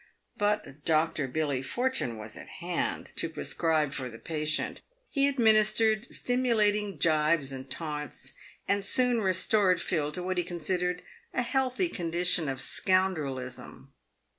But Doctor Billy Fortune was at hand to prescribe for the patient. He administered stimulating jibes and taunts, and soon restored Phil to what he considered a healthy condition of scoundrelism.